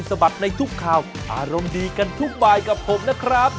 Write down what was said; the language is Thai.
บัดในทุกข่าวอารมณ์ดีกันทุกบายกับผมนะครับ